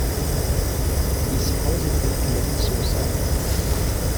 He supposedly committed suicide.